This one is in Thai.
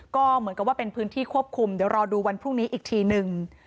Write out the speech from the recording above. ก็เหมือนกับว่าเป็นพื้นที่ควบคุมเดี๋ยวรอดูวันพรุ่งนี้อีกทีนึง